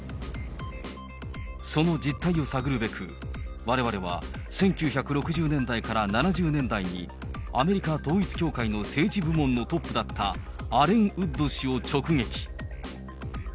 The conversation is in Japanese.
その実態を探るべく、われわれは１９６０年代から７０年代に、アメリカ統一教会の政治部門のトップだったアレン・ウッド氏を直撃。